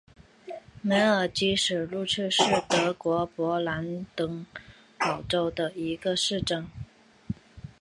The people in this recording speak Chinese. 梅尔基施卢赫是德国勃兰登堡州的一个市镇。